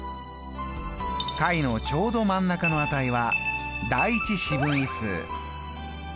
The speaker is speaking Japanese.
下位のちょうど真ん中の値は第１四分位数。